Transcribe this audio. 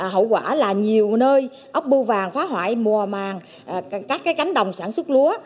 hậu quả là nhiều nơi ốc bưu vàng phá hoại mùa màng các cánh đồng sản xuất lúa